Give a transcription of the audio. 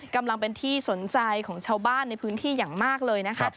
กำลังเป็นที่สนใจของชาวบ้านในพื้นที่อย่างมากเลยนะคะ